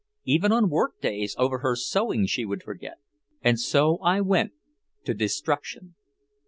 Even on workdays over her sewing she would forget. And so I went "to destruction."